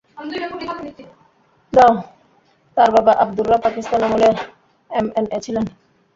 তার বাবা আব্দুর রব পাকিস্তান আমলে এমএনএ ছিলেন।